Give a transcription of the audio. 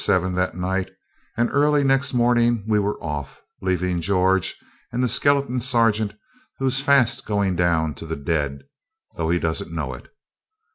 7 that night, and early next morning we were off, leaving George and the skeleton sergeant, who is fast going down to the dead, though he doesn't know it.